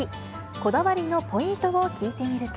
こだわりのポイントを聞いてみると。